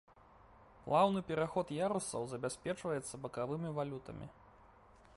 Плаўны пераход ярусаў забяспечваецца бакавымі валютамі.